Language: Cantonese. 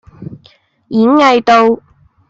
演藝道